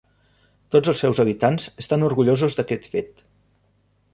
Tots els seus habitants estan orgullosos d'aquest fet.